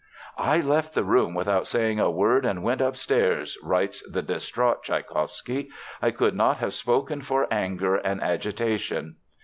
"I left the room without saying a word and went upstairs," writes the distraught Tschaikowsky. "I could not have spoken for anger and agitation.